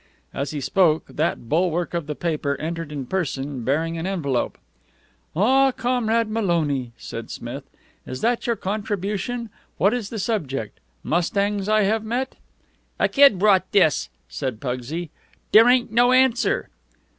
As he spoke, that bulwark of the paper entered in person, bearing an envelope. "Ah, Comrade Maloney," said Smith. "Is that your contribution? What is the subject? 'Mustangs I have Met?'" "A kid brought dis," said Pugsy. "Dere ain't no answer."